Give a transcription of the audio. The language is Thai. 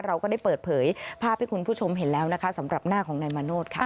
เราก็ได้เปิดเผยภาพให้คุณผู้ชมเห็นแล้วนะคะสำหรับหน้าของนายมาโนธค่ะ